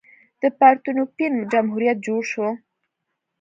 د پارتنوپین جمهوریت جوړ شو.